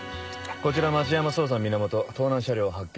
こちら町山捜査源盗難車両発見。